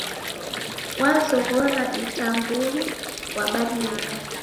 Wazoghoa ata mumbi ghwabadilika.